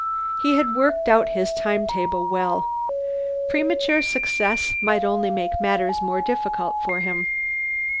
He had worked out his time table well. Premature success might only make matters more difficult for him.